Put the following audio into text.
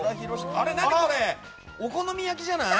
これ、お好み焼きじゃない？